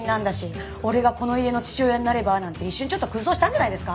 俺がこの家の父親になればなんて一瞬ちょっと空想したんじゃないですか？